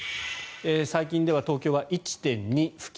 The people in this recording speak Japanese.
最近では東京は１．２付近